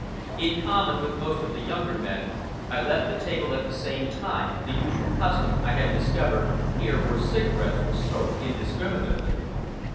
In common with most of the younger men, I left the table at the same time, the usual custom, I had discovered, here, where cigarettes were smoked indiscriminately.